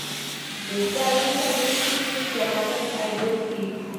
De este álbum salió un single llamado "I Got Life".